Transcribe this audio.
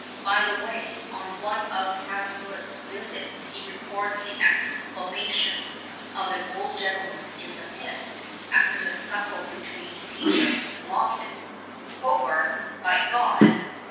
" By the way, on one of Hazlitt's visits he records the exclamation of an old gentleman in the pit, after the seuflle between Pcachum and Lockit, " Hogarth, by G— d